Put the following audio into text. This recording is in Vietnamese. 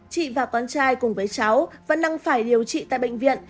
chị và con trai cùng với cháu vẫn đang phải điều trị tại bệnh viện